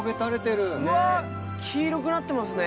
黄色くなってますね。